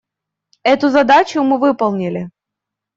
Эту задачу мы выполнили.